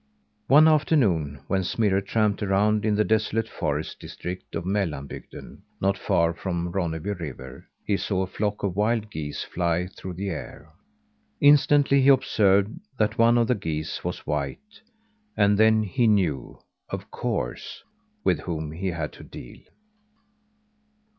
One afternoon, when Smirre tramped around in the desolate forest district of Mellanbygden, not far from Ronneby River, he saw a flock of wild geese fly through the air. Instantly he observed that one of the geese was white and then he knew, of course, with whom he had to deal.